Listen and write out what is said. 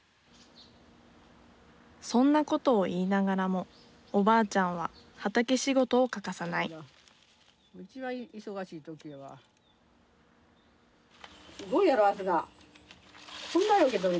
そんなことを言いながらもおばあちゃんは畑仕事を欠かさないすごいやろ明日奈。